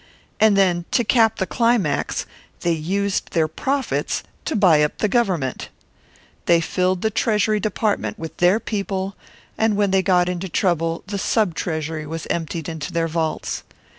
And then, to cap the climax, they used their profits to buy up the Government! They filled the Treasury Department with their people, and when they got into trouble, the Sub Treasury was emptied into their vaults.